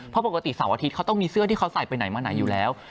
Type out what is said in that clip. เพราะปกติเสาร์อาทิตย์เขาต้องมีเสื้อที่เขาใส่ไปไหนมาไหนอยู่แล้ว